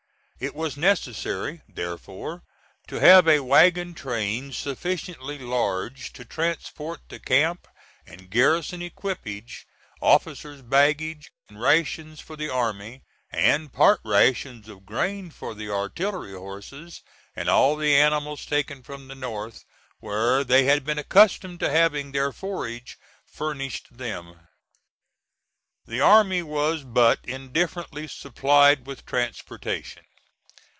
It was necessary, therefore, to have a wagon train sufficiently large to transport the camp and garrison equipage, officers' baggage, rations for the army, and part rations of grain for the artillery horses and all the animals taken from the north, where they had been accustomed to having their forage furnished them. The army was but indifferently supplied with transportation.